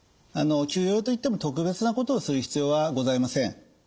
休養といっても特別なことをする必要はございません。